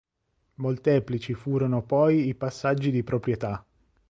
Molteplici furono poi i passaggi di proprietà.